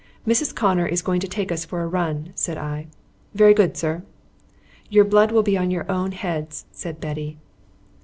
"Mrs. Connor is going to take us for a run," said I. "Very good, sir." "Your blood be on your own heads," said Betty.